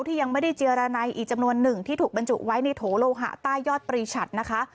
ยังไม่ได้เจรนัยอีกจำนวนหนึ่งที่ถูกบรรจุไว้ในโถโลหะใต้ยอดปรีชัดนะคะ